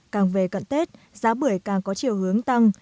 càng về cận tết giá bưởi càng có chiều hướng tăng